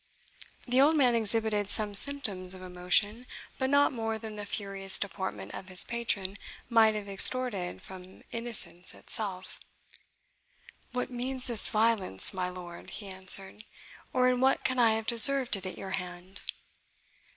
The old man exhibited some symptoms of emotion, but not more than the furious deportment of his patron might have extorted from innocence itself. "What means this violence, my lord?" he answered, "or in what can I have deserved it at your hand?"